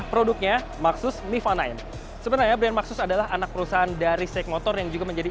produknya maxus niva sembilan sebenarnya brand maxus adalah anak perusahaan dari sek motor yang juga menjadi